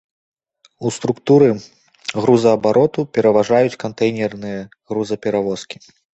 У структуры грузаабароту пераважаюць кантэйнерныя грузаперавозкі.